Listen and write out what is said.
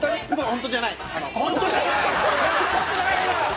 本当じゃないから！